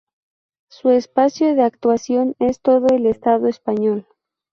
Su espacio de actuación es todo el Estado español.